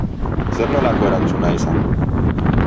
Zer nolako erantzuna izan du?